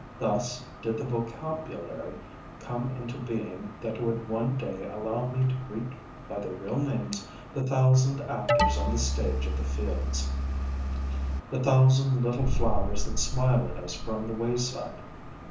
Thus did the vocabulary come into being that would one day allow me to greet by their real names the thousand actors on the stage of the fields, the thousand little flowers that smile at us from the wayside.